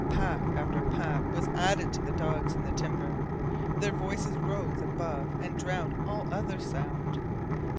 Pack after pack was added to the dogs in the timber. Their voices rose above and drowned all other sound.